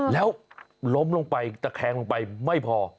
แล้วล้มลงไปตะแคงลงไปไม่พอ